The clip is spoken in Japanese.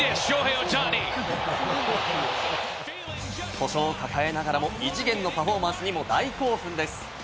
故障を抱えながらも、異次元のパフォーマンスに大興奮です。